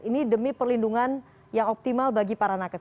ini demi perlindungan yang optimal bagi para nakes